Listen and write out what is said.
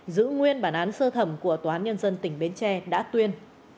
giữ nguyên bản án sơ thẩm của tntb đã tuyên